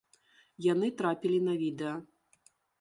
Яны трапілі на відэа.